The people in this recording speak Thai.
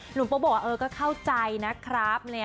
หนุ่มโป๊บบอกว่าเออก็เข้าใจนะครับ